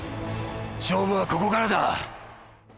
勝負は、ここからだ。